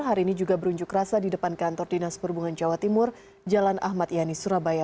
hari ini juga berunjuk rasa di depan kantor dinas perhubungan jawa timur jalan ahmad yani surabaya